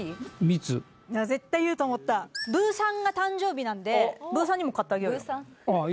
ブーさんが誕生日なんでブーさんにも買ってあげようよ。